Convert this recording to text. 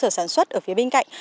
các cơ sở sản xuất ở phía bên cạnh